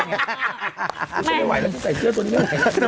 ถ้ามั้ยฉันไม่ไหวแล้วจะใส่เชื้อตัวนี้ด้วย